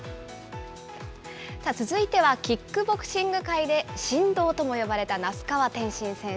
続いてはキックボクシング界で神童とも呼ばれた那須川天心選手。